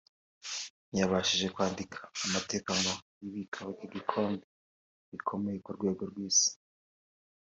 ntiyabashije kwandika amateka ngo yibikeho iki gikombe gikomeye ku rwego rw’isi